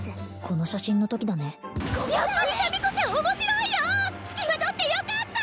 この写真のときだねやっぱりシャミ子ちゃん面白いよつきまとってよかった！